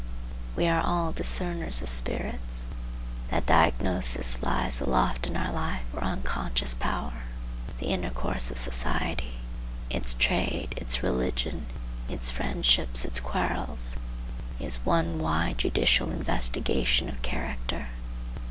We are all discerners of spirits. That diagnosis lies aloft in our life or unconscious power. The intercourse of society, its trade, its religion, its friendships, its quarrels, is one wide, judicial investigation of character.